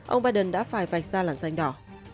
ông biden đã phải vạch ra làn danh đỏ